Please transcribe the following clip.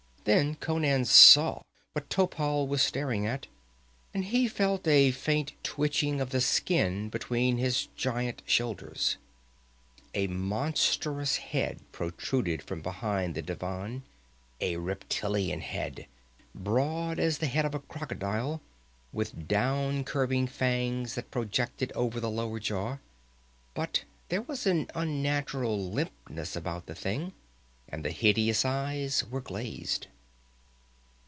Then Conan saw what Topal was staring at, and he felt a faint twitching of the skin between his giant shoulders. A monstrous head protruded from behind the divan, a reptilian head, broad as the head of a crocodile, with down curving fangs that projected over the lower jaw. But there was an unnatural limpness about the thing, and the hideous eyes were glazed.